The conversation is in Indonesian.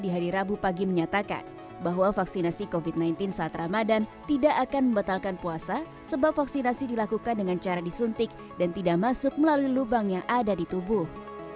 di hari rabu pagi menyatakan bahwa vaksinasi covid sembilan belas saat ramadan tidak akan membatalkan puasa sebab vaksinasi dilakukan dengan cara disuntik dan tidak masuk melalui lubang yang ada di tubuh